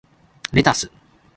レタス